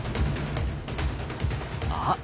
あっ！